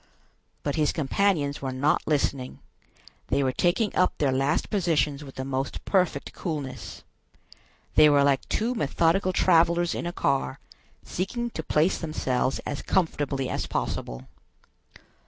But his companions were not listening; they were taking up their last positions with the most perfect coolness. They were like two methodical travelers in a car, seeking to place themselves as comfortably as possible.